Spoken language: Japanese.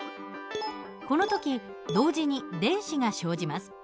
この時同時に電子が生じます。